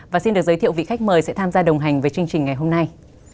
và xin được giới thiệu vị khách mời sẽ tham gia đồng hành với chương trình ngày hôm nay